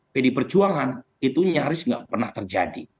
pdi perjuangan itu nyaris tidak pernah terjadi